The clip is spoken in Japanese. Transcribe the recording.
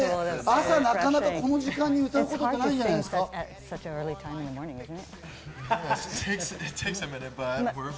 朝、なかなかこの時間に歌うことないんじゃないですか？